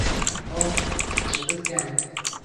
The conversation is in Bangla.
Oh, space camp.